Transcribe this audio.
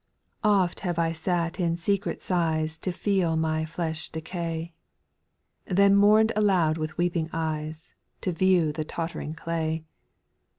/\FT have I sat in secret sighs \j To feel my flesh decay, Then mourn'd aloud with weeping eyes. To view the tott'ring clay.